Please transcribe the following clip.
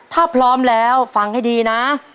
ถ้าพร้อมแล้วฟังให้ดีนะ